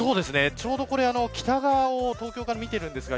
ちょうど北側を東京から見ているんですが